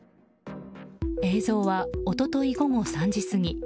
映像は、一昨日午後３時過ぎ。